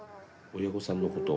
親御さんのこと。